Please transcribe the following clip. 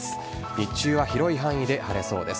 日中は広い範囲で晴れそうです。